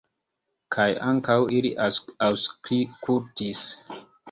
Kaj ankaŭ ili aŭskultis.